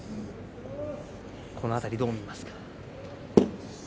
この辺り、どう見ますか。